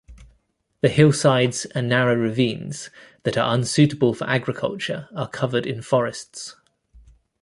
The hillsides and narrow ravines that are unsuitable for agriculture are covered in forests.